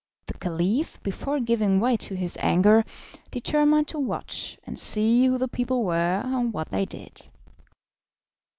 The Caliph, before giving way to his anger, determined to watch and see who the people were and what they did.